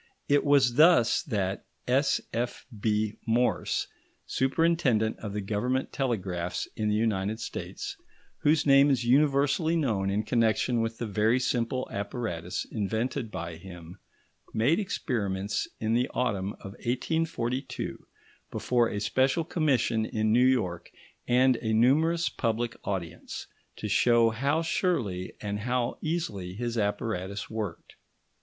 It was thus that S.F.B. Morse, superintendent of the Government telegraphs in the United States, whose name is universally known in connection with the very simple apparatus invented by him, made experiments in the autumn of 1842 before a special commission in New York and a numerous public audience, to show how surely and how easily his apparatus worked.